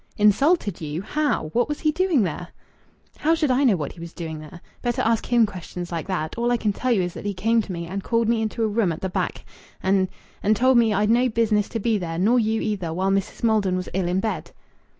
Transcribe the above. "Insulted you? How? What was he doing there?" "How should I know what he was doing there? Better ask him questions like that! All I can tell you is that he came to me and called me into a room at the back and and told me I'd no business to be there, nor you either, while Mrs. Maldon was ill in bed."